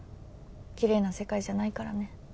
きれいな世界じゃないからね。